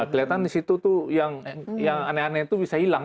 kelihatan di situ tuh yang aneh aneh itu bisa hilang